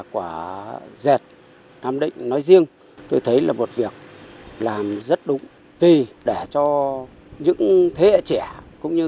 quả dệt nam định nói riêng tôi thấy là một việc làm rất đúng tùy để cho những thế hệ trẻ cũng như